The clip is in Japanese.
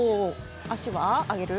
足は上げる？